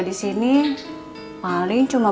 di sini paling cuma